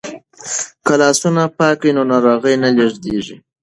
که لاسونه پاک وي نو ناروغي نه لیږدیږي.